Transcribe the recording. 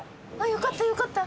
よかったよかった。